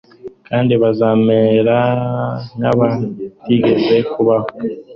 «Kandi bazamera nk'abatigeze kubaho.''-»